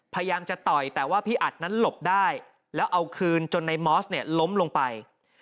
พยายามจะต่อยแต่ว่าพี่อัดนั้นหลบได้แล้วเอาคืนจนในมอสเนี่ยล้มลงไป